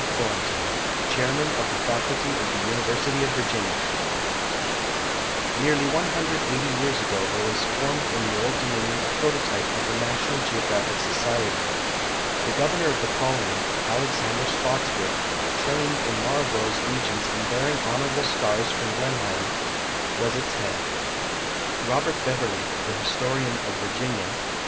Thornton, Chairman of the Faculty of the University of Virginia Nearly 180 years ago there was formed in the Old Dominion a prototype of the National Geographic Society. The governor of the colony, Alexander Spottswood — trained in Marlborough's legions and bearing honoraide scars from Blenheim — was its head. Robert Beverly, the historian of Virginia